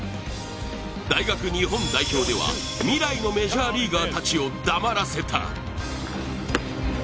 大学日本代表では未来のメジャーリーガーたちを黙らせた。